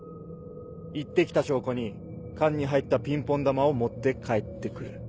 行って来た証拠に缶に入ったピンポン球を持って帰って来る。